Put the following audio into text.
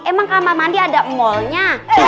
emang kamar mandi ada mallnya